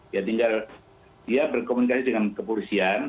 ya tinggal dia berkomunikasi dengan kepolisian